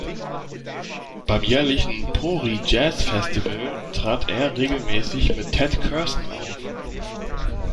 Beim jährlichen Pori Jazz Festival trat er regelmäßig mit Ted Curson auf.